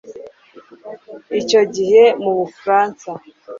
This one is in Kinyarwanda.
Icyo gihe mu Bufaransa